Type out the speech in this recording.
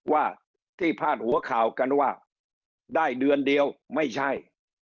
ว่าที่พาดหัวข่าวกันว่าได้เดือนเดียวไม่ใช่